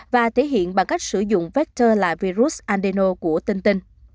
và thể hiện bằng cách sử dụng vector là virus adeno của tinh tinh